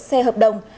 xe hợp đồng